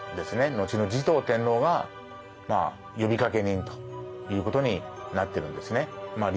のちの持統天皇が呼びかけ人ということになってるんですね。